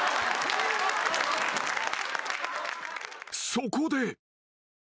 ［そこで］